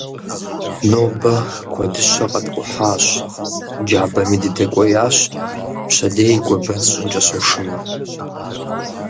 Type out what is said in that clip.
Нобэ куэдыщэ къэткӏухьащ, джабэми дыдэкӏуеящ, пщэдей гуэбэн сщӏынкӏэ сошынэ.